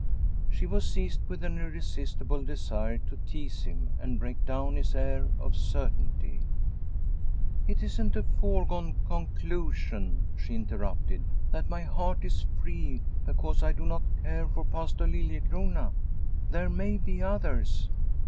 She was seized with an irresistible desire to tease him and break down his air of certainty. " It isn't a foregone conclusion," she inter rupted, " that my heart is free because I do not care for Pastor Liliecrona. Yhere may be others.